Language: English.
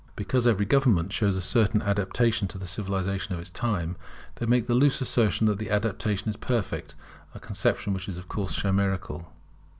Because every government shows a certain adaptation to the civilization of its time, they make the loose assertion that the adaptation is perfect; a conception which is of course chimerical.